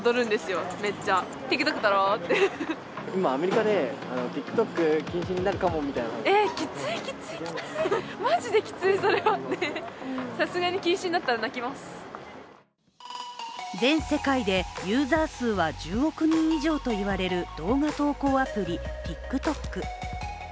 街でＴｉｋＴｏｋについて聞くと全世界でユーザー数は１０億人以上と言われる動画投稿アプリ、ＴｉｋＴｏｋ。